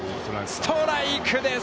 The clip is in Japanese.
ストライクです。